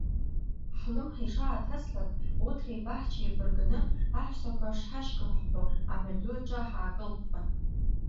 Ҳлымҳа ишааҭаслак, уҭреи баҳчеи еибарганы, аҳәсақәа шҳашьклаҳәҳәо, амҩаду аҿы ҳаакылппуан.